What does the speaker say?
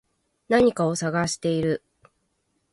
何かを探している